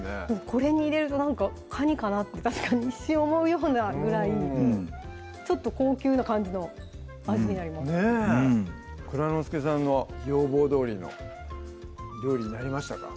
これに入れるとなんかかにかなって確かに一瞬思うようなぐらいちょっと高級な感じの味になります蔵之介さんの要望どおりの料理になりましたか？